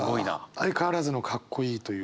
相変わらずのかっこいいというか。